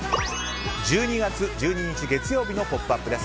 １２月１２日月曜日の「ポップＵＰ！」です。